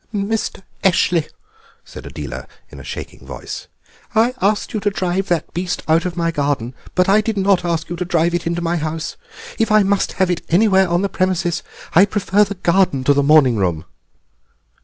"Mr. Eshley," said Adela in a shaking voice, "I asked you to drive that beast out of my garden, but I did not ask you to drive it into my house. If I must have it anywhere on the premises I prefer the garden to the morning room."